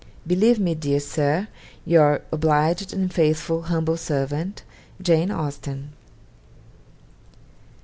'Believe me, dear Sir, 'Your obliged and faithful humbl Sert. 'JANE AUSTEN.'